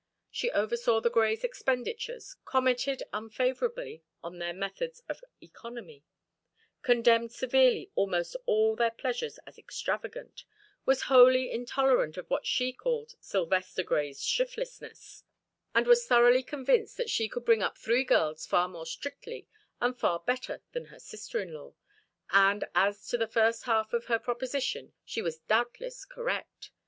She oversaw the Greys' expenditures, commented unfavorably on their methods of economy, condemned severely almost all their pleasures as extravagant, was wholly intolerant of what she called "Sylvester Grey's shiftlessness," and was thoroughly convinced that she could bring up three girls far more strictly, and far better than her sister in law and as to the first half of her proposition she was doubtless correct.